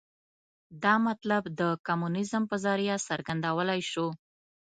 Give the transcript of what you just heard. دا مطلب د کمونیزم په ذریعه څرګندولای شو.